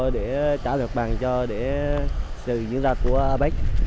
để trả lợi bằng cho sự dự ra của apec